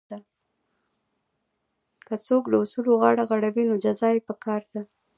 که څوک له اصولو غاړه غړوي نو جزا یې پکار ده.